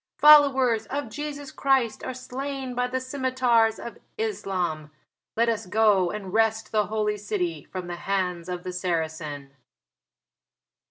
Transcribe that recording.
"Followers of Jesus Christ are slain by the scimitars of Islam. Let us go and wrest the Holy City from the hands of the Saracen."